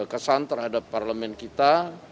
kesan terhadap parlemen kita